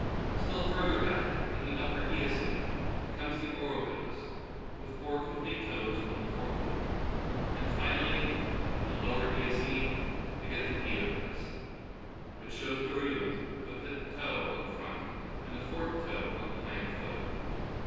Still further back, in the upper Eocene, comes the orohippus, with four complete toes on the fore foot. And finally, in the lower Eocene, we get the eohippus, which shows the rudiment of a fifth toe on the front and a fourth toe on the hind foot.